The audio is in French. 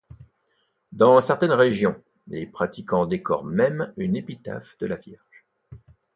Dans certaines régions, les pratiquants décorent même une Épitaphe de la Vierge.